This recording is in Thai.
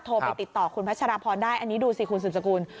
โทรไปติดต่อคุณพัชรพรได้อันนี้ดูสิคุณสืบสกุล